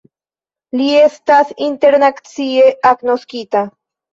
Li estas internacie agnoskita.